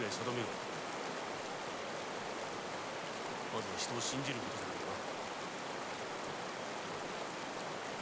まず人を信じる事じゃないかな。